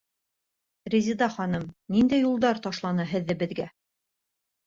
Резеда ханым, ниндәй юлдар ташланы һеҙҙе беҙгә?